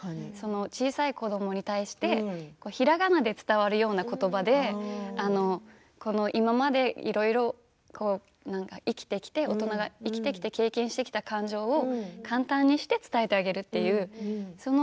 小さい子どもに対してひらがなで伝わるような言葉で今まで、いろいろ生きてきて大人が生きてきて経験した感情を簡単にして伝えてあげるという。